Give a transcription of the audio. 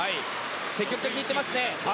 積極的にいってます。